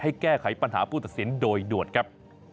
แก้ไขปัญหาผู้ตัดสินโดยด่วนครับ